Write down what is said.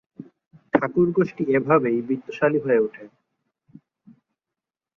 ঠাকুর গোষ্ঠী এ ভাবেই বিত্তশালী হয়ে ওঠে।